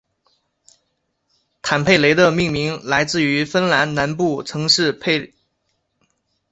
坦佩雷的命名来自于芬兰南部城市坦佩雷。